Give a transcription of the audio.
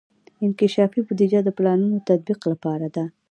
انکشافي بودیجه د پلانونو تطبیق لپاره ده.